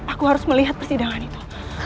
aku harus melihat persidangan itu